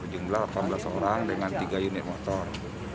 jumlah delapan belas orang dengan tiga unit motor